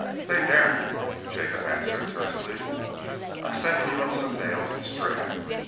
"They daren't," Jacob answered tersely. "I'm sending you up some nails and string.